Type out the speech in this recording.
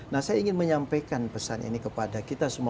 nah saya ingin menyampaikan pesan ini kepada kita semua